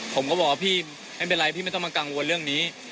ผมก็บอกว่าพี่ไม่เป็นไรพี่ไม่ต้องมากังวลเรื่องนี้